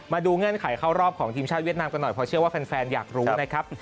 เงื่อนไขเข้ารอบของทีมชาติเวียดนามกันหน่อยเพราะเชื่อว่าแฟนอยากรู้นะครับ